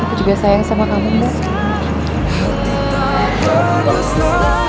aku juga sayang sama kamu